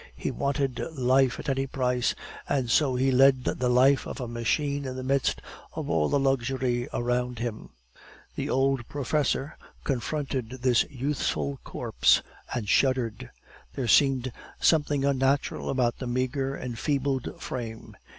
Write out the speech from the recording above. He wanted life at any price, and so he led the life of a machine in the midst of all the luxury around him. The old professor confronted this youthful corpse and shuddered; there seemed something unnatural about the meagre, enfeebled frame.